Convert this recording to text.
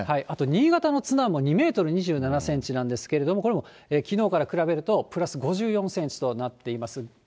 あと、新潟の津南も２メートル２７センチなんですけれども、これもきのうから比べると、プラス５４センチとなっています。